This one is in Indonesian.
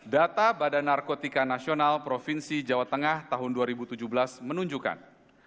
data badan narkotika nasional provinsi jawa tengah tahun dua ribu tujuh belas menunjukkan